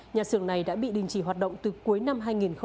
nhà xưởng này đã bị đình chỉ hoạt động từ cuối năm hai nghìn hai mươi hai